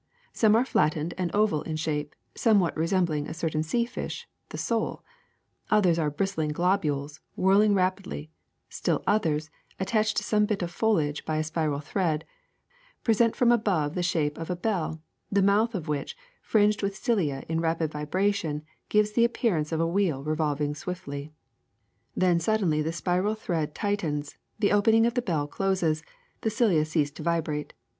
Some are flattened and oval in shape, somewhat resembling a certain sea fish, the sole; others are bristling globules, whirling rapidly; still others, attached to some bit of foliage by a spiral thread, present from above the shape of a bell, the mouth of which, fringed with cilia in rapid vibration, gives the appearance of a wheel revolving swiftly. Then suddenly the spiral thread tightens, the opening of the bell closes, the cilia cease to vibrate.